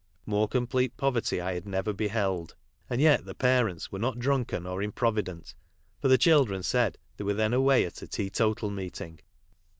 More complete poverty I had never beheld, and yet the parents were not drunken or improvi dent, for the children said they were then away at a teetotal meeting.